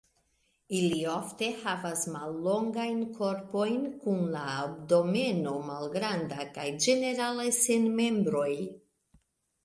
Ili ofte havas mallongajn korpojn, kun la abdomeno malgranda, kaj ĝenerale sen membroj.